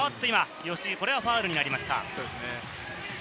吉井、これはファウルになりました。